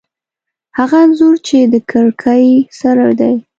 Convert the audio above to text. هغه انځور چې د کړکۍ سره دی